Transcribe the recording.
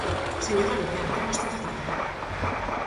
Señora Luvián, ten vostede a palabra.